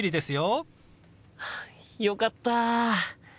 よかった。